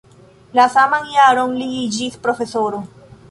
La saman jaron li iĝis profesoro.